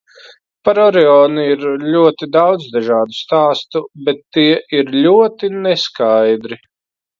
Par Orionu ir ļoti daudz dažādu stāstu, bet tie ir ļoti neskaidri.